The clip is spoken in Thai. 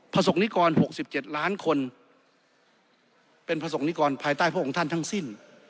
สกนิกร๖๗ล้านคนเป็นประสงค์นิกรภายใต้พระองค์ท่านทั้งสิ้น